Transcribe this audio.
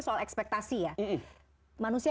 soal ekspektasi ya manusia